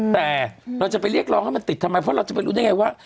แต่เราจะไปเรียกร้องให้มันติดทำไมเพราะเราจะไปรู้ได้ไงว่า